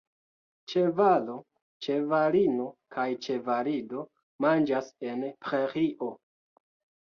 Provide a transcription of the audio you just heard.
Ĉevalo, ĉevalino kaj ĉevalido manĝas en prerio.